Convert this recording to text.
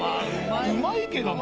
うまいけどな。